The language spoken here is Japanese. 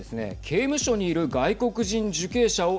刑務所にいる外国人受刑者を